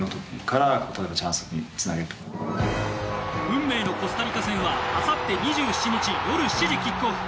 運命のコスタリカ戦はあさって２７日夜７時キックオフ！